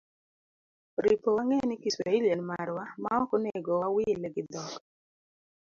Oripo wang'e ni kiswahili en marwa ma ok onego wawile gi dhok